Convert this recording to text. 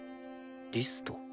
リスト？